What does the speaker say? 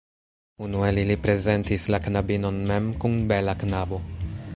Unu el ili prezentis la knabinon mem kun bela knabo.